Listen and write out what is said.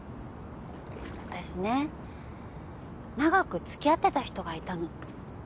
私ね長くつきあってた人がいたの。